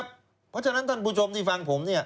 เพราะฉะนั้นท่านผู้ชมที่ฟังผมเนี่ย